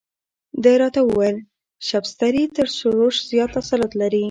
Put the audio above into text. ده راته وویل شبستري تر سروش زیات تسلط لري.